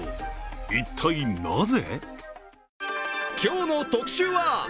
一体なぜ？